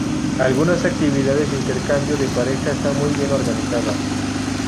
Algunas actividades de intercambio de pareja están muy bien organizadas.